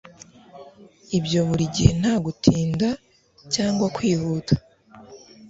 Ibyo burigihe nta gutinda cyangwa kwihuta